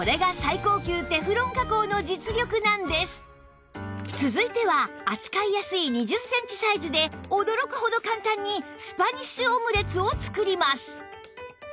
そうこれが続いては扱いやすい２０センチサイズで驚くほど簡単にスパニッシュオムレツを作ります